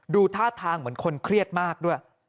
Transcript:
ท่าทางเหมือนคนเครียดมากด้วย